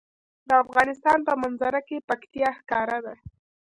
د افغانستان په منظره کې پکتیا ښکاره ده.